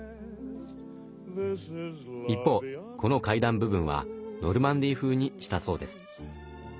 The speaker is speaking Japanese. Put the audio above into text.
一方この階段部分はノルマンディー風にしたそうです。